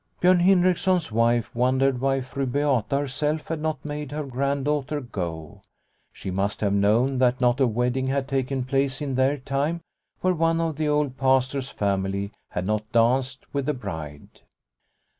Biorn Hindriksson's wife wondered why Fru Beata herself had not made her granddaughter go. She must have known that not a wedding had taken place in their time where one of the old Pastor's family had not danced with the bride.